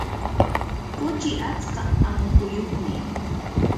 kuchi atska amukuyuqmi.